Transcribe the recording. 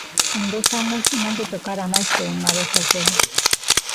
En dez anos non lle tocara máis que unha vez o pelo.